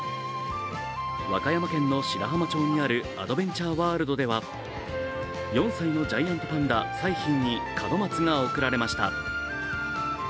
和歌山県の白浜町にあるアドベンチャーワールドでは４歳のジャイアントパンダ彩浜に門松が贈られました。